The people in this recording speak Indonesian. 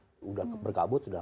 sudah berkabut sudah